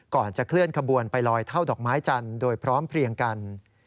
ก่อนจะเคลื่อนขบวนไปลอยเท่าดอกไม้จันทร์โดยพร้อมเพลียงกัน